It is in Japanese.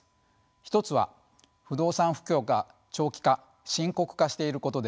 一つは不動産不況が長期化深刻化していることです。